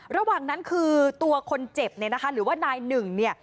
ระหว่างนั้นคือตัวคนเจ็บเนี่ยนะคะหรือว่านายหนึ่งเนี่ย